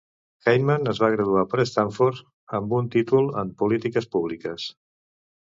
Heitmann es va graduar per Stanford amb un títol en polítiques públiques.